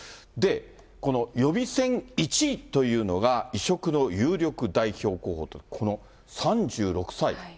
この予備選１位というのが、異色の有力代表候補と、この３６歳。